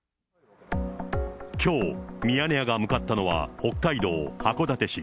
きょう、ミヤネ屋が向かったのは、北海道函館市。